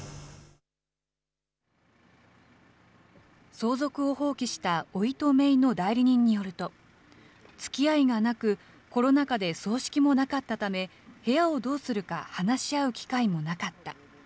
相続を放棄したおいとめいの代理人によると、つきあいがなく、コロナ禍で葬式もなかったため、部屋をどうするか話し合う機会もなかった。